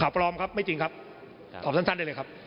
ข่าวพร้อมครับไม่จริงครับออกสั้นได้เลยครับ